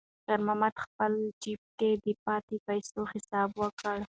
خیر محمد په خپل جېب کې د پاتې پیسو حساب وکړ.